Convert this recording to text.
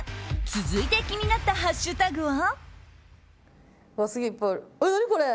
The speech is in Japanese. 続いて気になったハッシュタグは？